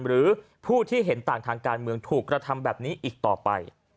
หรือผู้ที่เห็นต่างทางการเมืองถูกกระทำแบบนี้อีกต่อไป